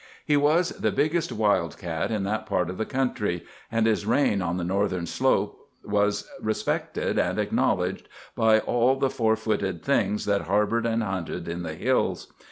He was the biggest wild cat in that part of the country, and his reign on the northern slope was respected and acknowledged by all the four footed things that harbored and hunted in the hills.